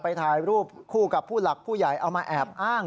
ถ่ายรูปคู่กับผู้หลักผู้ใหญ่เอามาแอบอ้าง